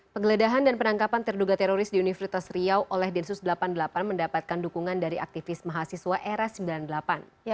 penggeledahan dan penangkapan terduga teroris di universitas riau oleh densus delapan puluh delapan mendapatkan dukungan dari aktivis mahasiswa era sembilan puluh delapan